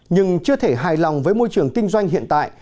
nhưng chưa thể hài lòng với môi trường kinh doanh hiện tại